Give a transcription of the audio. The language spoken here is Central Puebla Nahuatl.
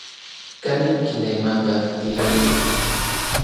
¿Kanin kinemakaj tlioli?